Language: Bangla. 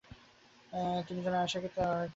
তিনি যেন আয়িশা কে তালাক দেন।